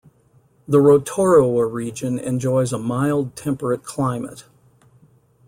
The Rotorua region enjoys a mild temperate climate.